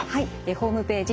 ホームページ